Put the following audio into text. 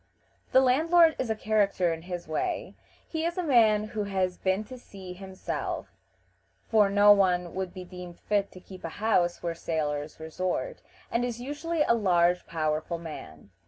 The landlord is a character in his way. He is a man who has been to sea himself, for no one else would be deemed fit to keep a house where sailors resort, and is usually a large, powerful man.